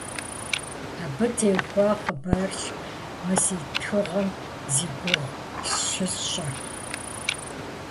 Абы теухуа хъыбарщ мы си тхыгъэм зи гугъу щысщӀыр.